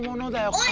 おい！